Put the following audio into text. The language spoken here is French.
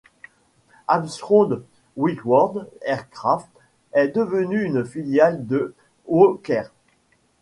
Armstrong Whitworth Aircraft est devenu une filiale de Hawker.